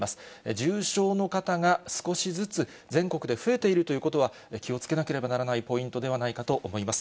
重症の方が少しずつ、全国で増えているということは、気をつけなければならないポイントではないかと思います。